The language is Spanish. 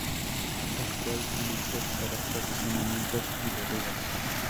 El cual son actos para fraccionamientos y bodegas.